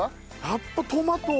やっぱトマト。